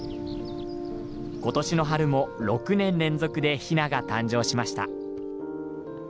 ことしの春も６年連続でひなが誕生しました。